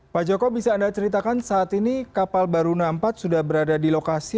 pak joko bisa anda ceritakan saat ini kapal baruna empat sudah berada di lokasi